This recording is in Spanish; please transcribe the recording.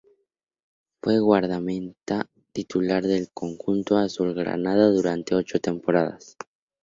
Fue guardameta titular del conjunto azulgrana durante ocho temporadas.